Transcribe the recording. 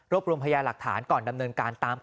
วันนี้ทีมข่าวไทยรัฐทีวีไปสอบถามเพิ่ม